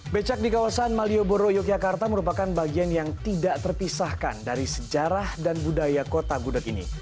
becak di kawasan malioboro yogyakarta merupakan bagian yang tidak terpisahkan dari sejarah dan budaya kota gudeg ini